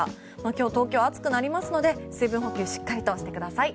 今日、東京は暑くなりますので水分補給をしっかりとしてください。